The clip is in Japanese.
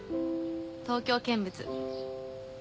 東京見物。